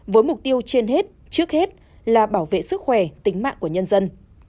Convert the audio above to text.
với mục tiêu trên hết trước hết là bảo vệ sức khỏe tính mạng của nhân dân